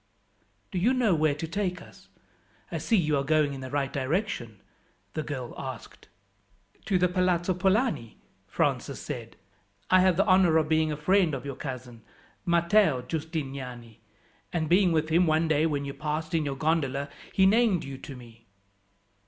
"Do you know where to take us? I see you are going in the right direction?" the girl asked. "To the Palazzo Polani," Francis said. "I have the honour of being a friend of your cousin, Matteo Giustiniani, and being with him one day when you passed in your gondola, he named you to me."